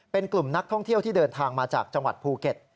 เป็นกลุ่มนักท่องเที่ยวที่เดินทางมาจากจังหวัดภูเก็ต